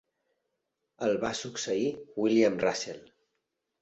El va succeir William Russell.